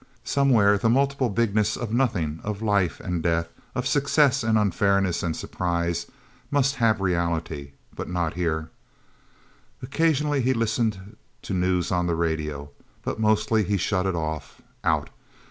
Somewhere, that multiple bigness of Nothing, of life and death, of success and unfairness and surprise, must have reality but not here... Occasionally he listened to news on the radio. But mostly he shut it off out.